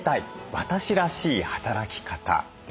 私らしい働き方」です。